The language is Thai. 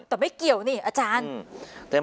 แต่ไม่เกี่ยวนี่อาจารย์